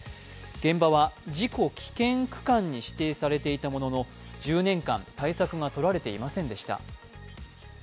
現場は事故危険区間に指定されていたものの１０年間、対策がとられていませんでした。